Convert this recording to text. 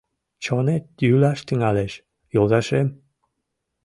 Чонет йӱлаш тӱҥалеш, йолташем.